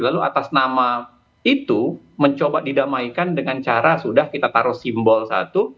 lalu atas nama itu mencoba didamaikan dengan cara sudah kita taruh simbol satu